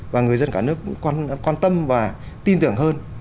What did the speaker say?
và người dân cả nước cũng quan tâm và tin tưởng hơn